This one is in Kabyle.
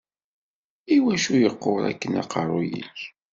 Iwacu yeqqur akken uqerruy-ik?